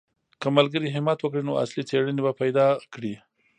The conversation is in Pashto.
که ملګري همت وکړي نو اصلي څېړنې به پیدا کړي.